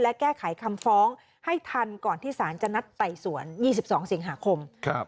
และแก้ไขคำฟ้องให้ทันก่อนที่สารจะนัดไต่สวน๒๒สิงหาคม